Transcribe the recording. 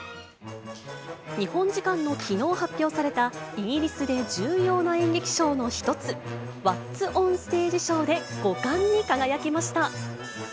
日本時間のきのう発表された、イギリスで重要な演劇賞の一つ、ワッツ・オン・ステージ賞で５冠に輝きました。